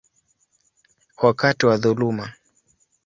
wakati wa dhuluma.